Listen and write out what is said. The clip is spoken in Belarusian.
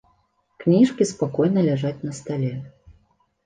Кніжкі спакойна ляжаць на стале.